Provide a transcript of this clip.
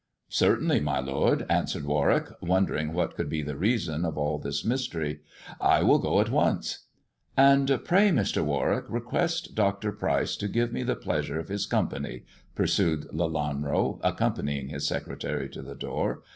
''" Certainly, . my lord," answered Warwick, wondering what could be the reason of all this mystery ;" I will go at once." " And pray, Mr. Warwick, request Dr. Pryce to give me the pleasure of his company," pursued Lelanro, accompany ing his secretary to the door.